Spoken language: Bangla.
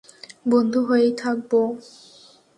বন্ধু হয়েই থাকবো।